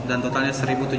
dan totalnya satu tujuh ratus